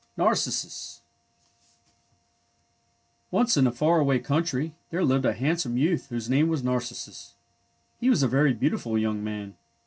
NARCISSUS Once, in a far away country, there lived a handsome youth whose name was Narcissus. He was a very beautiful young man.